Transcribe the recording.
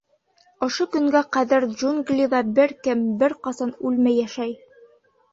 Ошо көнгә ҡәҙәр джунглиҙа бер кем, бер ҡасан үлмәй йәшәй.